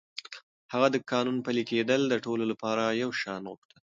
هغه د قانون پلي کېدل د ټولو لپاره يو شان غوښتل.